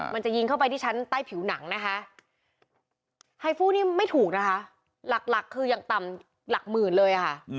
มันจะยิงเข้าไปที่ชั้นใต้ผิวหนังนะคะไฮฟู้นี่ไม่ถูกนะคะหลักคืออย่างต่ำหลักหมื่นเลยค่ะ